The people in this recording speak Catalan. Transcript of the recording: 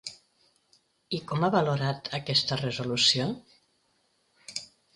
I com ha valorat aquesta resolució?